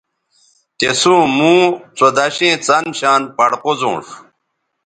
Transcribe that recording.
تِسوں موں څودشیئں څن شان پڑ قوزونݜ